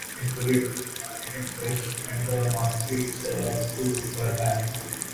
In Florida they are marketed fresh and the markets sell up to per annum.